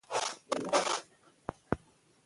افغانستان په نړیواله کچه د غزني له امله ډیر شهرت لري.